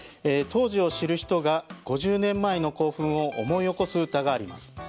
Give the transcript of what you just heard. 当時を知る人が５０年前の興奮を思い起こす歌があります。